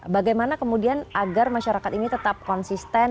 bagaimana kemudian agar masyarakat ini tetap konsisten